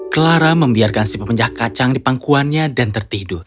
clara membiarkan si pemenjah kacang di pangkuannya dan tertidur